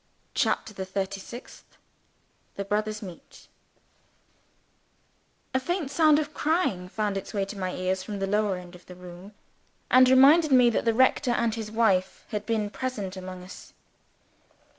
CHAPTER THE THIRTY SIXTH The Brothers Meet A FAINT sound of crying found its way to my ears from the lower end of the room, and reminded me that the rector and his wife had been present among us.